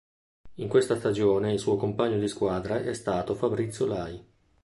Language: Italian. In questa stagione il suo compagno di squadra è stato Fabrizio Lai.